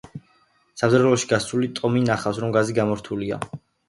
სამზარეულოში გასული ტომი ნახავს, რომ გაზი გამორთულია.